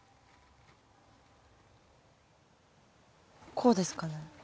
こうですかね？